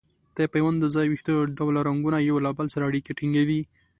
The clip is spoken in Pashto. د پیوند د ځای ویښته ډوله رګونه یو له بل سره اړیکه ټینګوي.